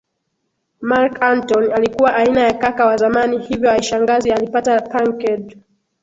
Marc Antony alikuwa aina ya kaka wa zamani hivyo haishangazi alipata pranked